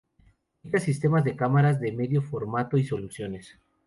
Fabrica sistemas de cámaras de medio formato y soluciones.